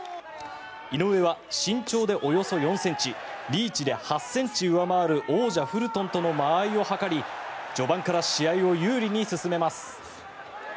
井上は身長でおよそ４ｃｍリーチで８ｃｍ上回る王者フルトンとの間合いを測り序盤から試合を有利に進めます。